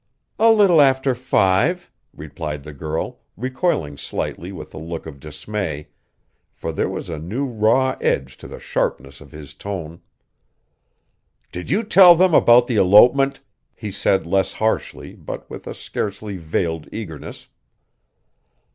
"A little after five," replied the girl, recoiling slightly with a look of dismay, for there was a new raw edge to the sharpness of his tone. "Did you tell them about the elopement?" he said less harshly, but with a scarcely veiled eagerness.